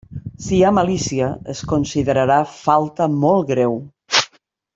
Si hi ha malícia, es considerarà falta molt greu.